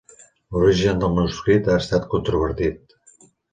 L'origen del manuscrit ha estat controvertit.